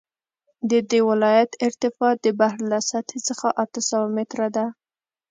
د دې ولایت ارتفاع د بحر له سطحې څخه اته سوه متره ده